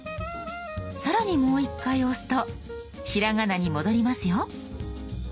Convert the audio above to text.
更にもう１回押すとひらがなに戻りますよ。